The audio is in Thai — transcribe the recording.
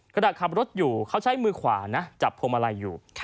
ขณะขับรถอยู่เขาใช้มือขวานะจับพวงมาลัยอยู่